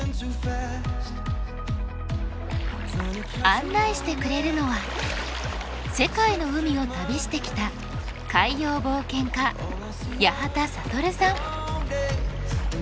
案内してくれるのは世界の海を旅してきた海洋冒険家八幡暁さん。